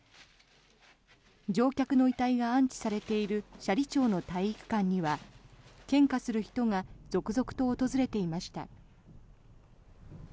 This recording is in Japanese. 乗客の遺体が安置されている斜里町の体育館には献花する人が続々と訪れていました。